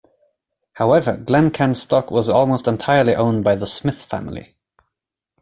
However, Glencairn's stock was almost entirely owned by the Smith family.